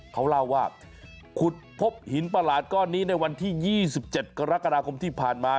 เขาเล่าว่าขุดพบหินประหลาดก้อนนี้ในวันที่๒๗กรกฎาคมที่ผ่านมา